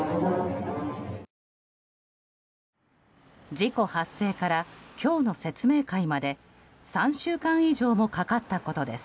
事故発生から今日の説明会まで３週間以上もかかったことです。